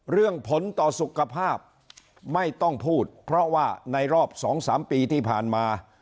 เรื่องผลต่อสุขภาพไม่ต้องพูดเพราะว่าในรอบ๒๓ปีที่ผ่านมา